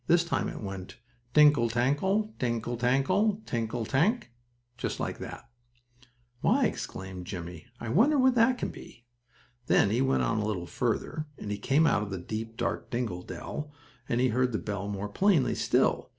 This time it went: "Tinkle tankle! Tinkle tankle! Tinkle tank " just like that. "Why!" exclaimed Jimmie. "I wonder what that can be?" Then he went on a little farther, and he came out of the deep, dark dingle dell, and he heard the bell more plainly still.